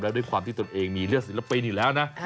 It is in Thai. ก็ด้วยความที่ตัวเองมีเรื่องศิลปินอีกแล้วนะ